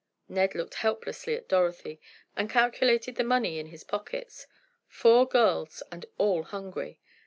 Ned looked helplessly at Dorothy, and calculated the money in his pockets. Four girls and all hungry!